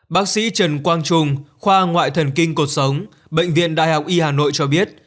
bác sĩ trần quang trung khoa ngoại thần kinh cuộc sống bệnh viện đại học y hà nội cho biết